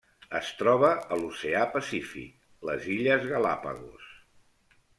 Es troba a l'oceà Pacífic: les illes Galápagos.